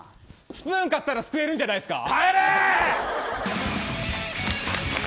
スプーン買ったらすくえるんじゃないですか。